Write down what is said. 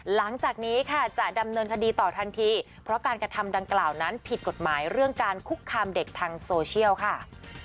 หลังจากนี้ค่ะจะดำเนินคดีต่อทันทีเพราะการกระทำดังกล่าวนั้นผิดกฎหมายเรื่องการคุกคามเด็กทางโซเชียลค่ะ